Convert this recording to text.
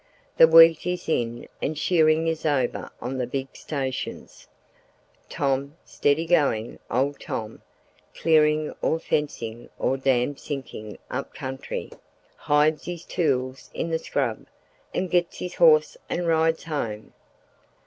The wheat is in and shearing is over on the big stations. Tom—steady going old Tom—clearing or fencing or dam sinking up country, hides his tools in the scrub and gets his horse and rides home.